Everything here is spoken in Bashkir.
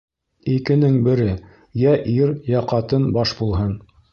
Икенең бере: йә ир, йә ҡатын баш булһын.